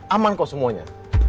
aman kok semuanya